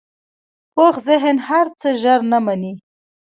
پوخ ذهن هر څه ژر نه منې